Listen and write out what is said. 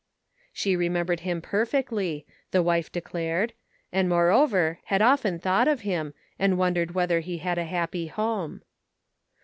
" She remembered him perfectly, the wife declared, and moreover had often thought of him, and wondered whether he had a happy home.